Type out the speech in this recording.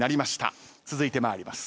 続いて参ります。